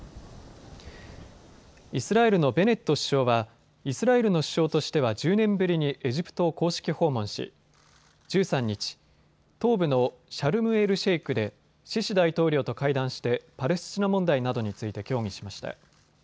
イスラエルのベネット首相はイスラエルの首相としては１０年ぶりにエジプトを公式訪問し１３日、東部のシャルムエルシェイクでシシ大統領と会談してパレスチナ問題などについて協議しました。